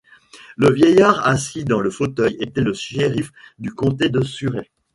Le vieillard assis dans le fauteuil était le shériff du comté de Surrey.